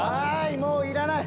もういらない！